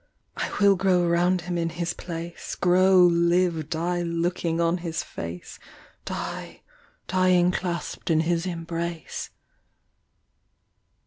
I will grow round him in his place, Grow, live, die looking on his face, Die, dying clasp’d in his embrace.